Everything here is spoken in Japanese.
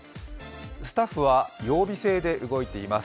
スタッフは曜日制で動いています。